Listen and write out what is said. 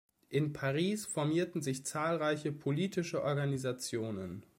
In Paris formierten sich zahlreiche politische Organisationen.